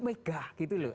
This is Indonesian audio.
megah gitu loh